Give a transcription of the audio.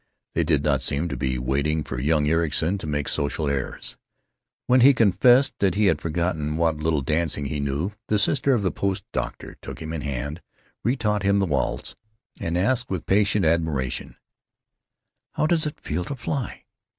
They did not seem to be waiting for young Ericson to make social errors. When he confessed that he had forgotten what little dancing he knew, the sister of the post doctor took him in hand, retaught him the waltz, and asked with patent admiration: "How does it feel to fly?